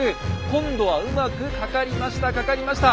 今度はうまく掛かりました掛かりました。